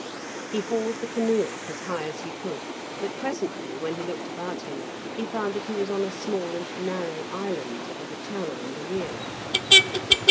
He hauled the canoe up as high as he could, but presently when he looked about him he found that he was on a small and narrow island, with a channel in the rear.